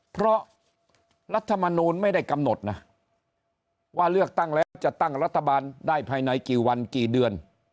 เพราะรัฐมนูลไม่ได้กำหนดนะว่าเลือกตั้งแล้วจะตั้งรัฐบาลได้ภายในกี่วันกี่เดือน